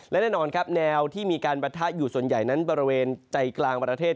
และแน่นอนครับแนวที่มีการปะทะอยู่ส่วนใหญ่นั้นบริเวณใจกลางประเทศ